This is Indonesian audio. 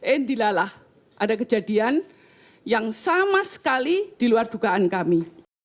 indilah lah ada kejadian yang sama sekali diluar dugaan kami